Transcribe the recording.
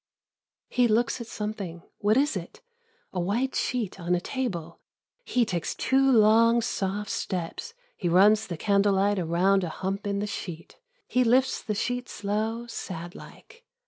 He looks at something. What is it? A white sheet on a table. He takes two long soft steps. He runs the candle light around a hump in the sheet. He lifts the sheet slow, sad like.